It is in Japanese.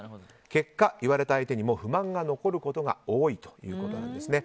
結果、言われた相手にも不満が残ることが多いということなんですね。